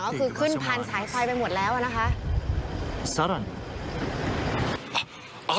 เท่านั้น